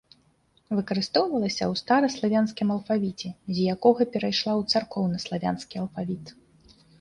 Выкарыстоўвалася ў стараславянскім алфавіце, з якога перайшла ў царкоўнаславянскі алфавіт.